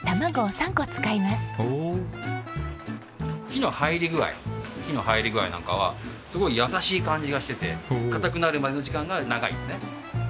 火の入り具合火の入り具合なんかはすごい優しい感じがしてて硬くなるまでの時間が長いですね。